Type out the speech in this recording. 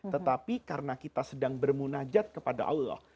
tetapi karena kita sedang bermunajat kepada allah